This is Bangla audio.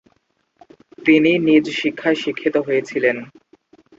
তিনি নিজ শিক্ষায় শিক্ষিত হয়েছিলেন।